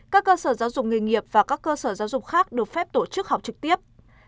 các cơ sở giáo dục nghề nghiệp và các cơ sở giáo dục khác được phép tổ chức học trực tiếp